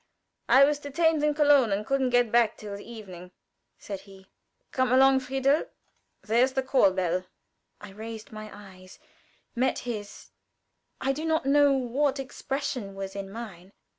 "I was detained in Köln and couldn't get back till evening," said he. "Come along, Friedel; there's the call bell." I raised my eyes met his. I do not know what expression was in mine.